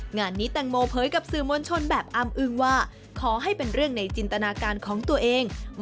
งานนี้แตงโมเผยกับสื่อมวลชนแบบอ้ำอึ้งว่าขอให้เป็นเรื่องในจินตนาการของตัวเอง